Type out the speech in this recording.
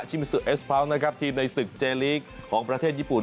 มิซูเอสเผานะครับทีมในศึกเจลีกของประเทศญี่ปุ่น